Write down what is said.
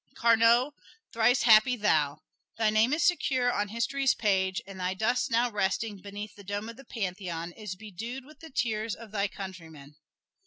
Carnot, thrice happy thou! Thy name is secure on history's page, and thy dust now resting beneath the dome of the Pantheon is bedewed with the tears of thy countrymen.